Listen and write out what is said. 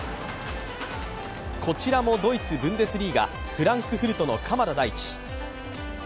こちらもドイツ・ブンデスリーガ、フランクフルトの鎌田大地。